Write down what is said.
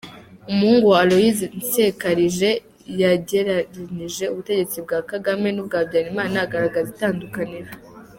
Umuhungu wa Aloys Nsekarije yagereranyije ubutegetsi bwa Kagame n’ ubwa Habyarimana agaragaza itandukaniro.